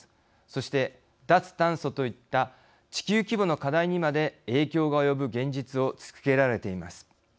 そして、脱炭素といった地球規模の課題にまで影響が及ぶ現実を突きつけられています。